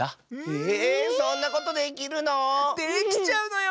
えそんなことできるの⁉できちゃうのよ。